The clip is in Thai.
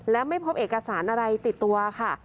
และไม่พบเอกสารอะไรติดตัวค่ะ